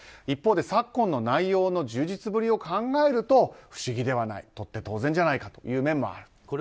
一方で昨今の内容の充実ぶりを考えると不思議ではないとって当然じゃないかという面もある。